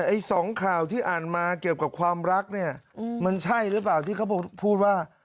ไอ้สองข่าวที่อ่านมาเกี่ยวกับความรักเนี่ยมันใช่หรือเปล่าที่เขาพูดว่า